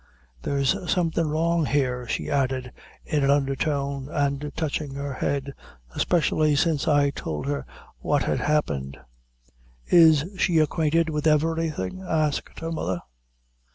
"There's something wrong here," she added, in an under tone, and touching her head, "especially since I tould her what had happened." "Is she acquainted with everything?" asked her mother.